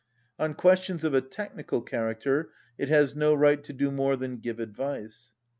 On questions of a technical char acter it has no right to do more than give advice.